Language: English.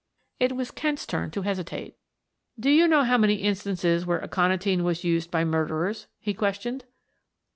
It was Kent's turn to hesitate. "Do you know many instances where aconitine was used by murderers?" he questioned.